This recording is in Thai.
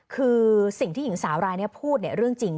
คือสิ่งที่หญิงสาวรายนี้พูดเรื่องจริง